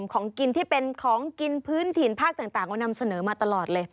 ของกินที่เป็นของกินพื้นถิ่นภาคต่างเรานำเสนอมาตลอดเลย